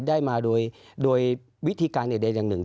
ได้มาโดยวิธีการใดอย่างหนึ่ง